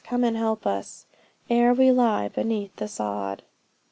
come and help us, Ere we lie beneath the sod!"